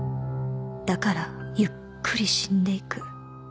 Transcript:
「だからゆっくり死んでいく」